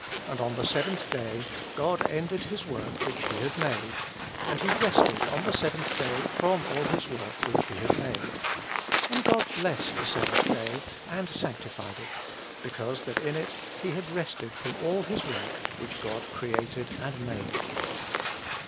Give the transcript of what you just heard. And on the seventh day God ended his work which he had made; and he rested on the seventh day from all his work which he had made. And God blessed the seventh day, and sanctified it; because that in it he had rested from all his work which God created and made."